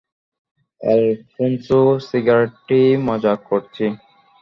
Alphonso সিগারেটি মজা করছি।